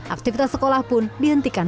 aktivitas sekolah pun dihentikan